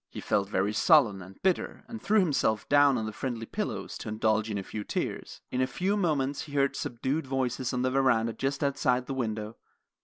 He felt very sullen and bitter, and threw himself down on the friendly pillows to indulge in a few tears. In a few moments he heard subdued voices on the veranda just outside the window.